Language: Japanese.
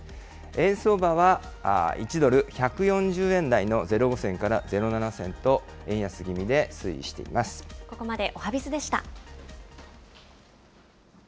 円相場は１ドル１４０円台の０５銭から０７銭と円安ぎみで推移しここまでおはＢｉｚでした。